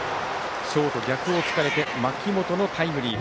ショート、逆を突かれて槇本のタイムリー。